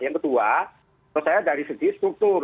yang kedua menurut saya dari segi struktur